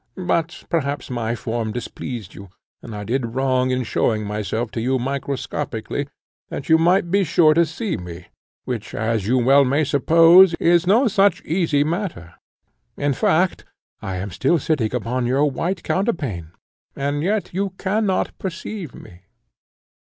But perhaps my form displeased you, and I did wrong in showing myself to you microscopically, that you might be sure to see me, which, as you may well suppose, is no such easy matter; in fact, I am still sitting upon your white counterpane, and yet you cannot perceive me.